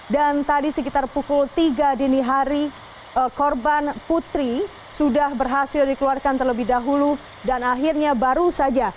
dan tadi sekitar pukul tiga dini hari korban putri sudah berhasil dikeluarkan terlebih dahulu dan akhirnya baru saja